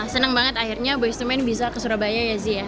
senang banget akhirnya boyz ii men bisa ke surabaya ya zia